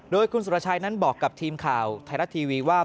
โดยคุณสุรชัยนั้นบอกกับทีมข่าวไทยรัฐทีวีว่า